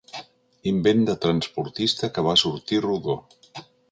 Invent de transportista que va sortir rodó.